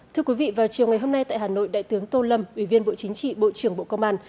thưa quý vị vào chiều ngày hôm nay tại hà nội đại tướng tô lâm ủy viên bộ chính trị bộ trưởng bộ công an